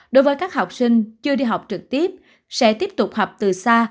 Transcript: đối với các học sinh chưa đi học trực tiếp sẽ tiếp tục học từ xa